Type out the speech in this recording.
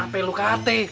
apa lu kateh